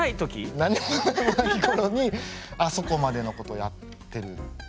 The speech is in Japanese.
何にもない頃にあそこまでのことをやってるんで。